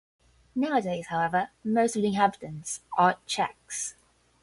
Nowadays, however, most of the inhabitants are Czechs.